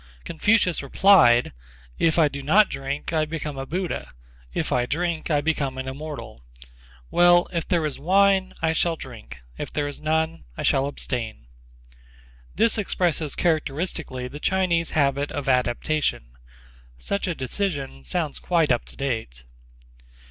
Confucius replied: "If I do not drink I become a Buddha. If I drink I become an Immortal. Well, if there is wine, I shall drink; if there is none, I shall abstain." This expresses characteristically the Chinese habit of adaptation. Such a decision sounds quite up to date.